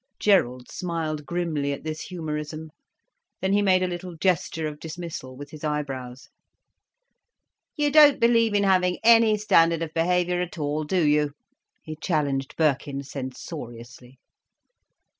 Gerald smiled grimly at this humorism. Then he made a little gesture of dismissal, with his eyebrows. "You don't believe in having any standard of behaviour at all, do you?" he challenged Birkin, censoriously.